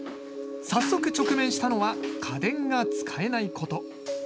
早速、直面したのは家電が使えないこと。